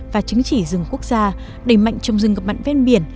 và chứng chỉ rừng quốc gia đẩy mạnh trồng rừng ngập mặn ven biển